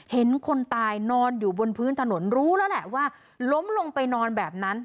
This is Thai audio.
เห็นคนตายนอนอยู่บนพื้นถนนรู้แล้วแหละว่าล้มลงไปนอนแบบนั้น